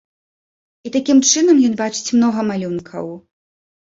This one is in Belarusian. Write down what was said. І такім чынам ён бачыць многа малюнкаў.